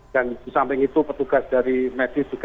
dan di samping itu petugas dari medis juga